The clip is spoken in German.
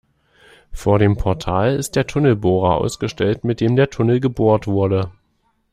Vor dem Portal ist der Tunnelbohrer ausgestellt, mit dem der Tunnel gebohrt wurde.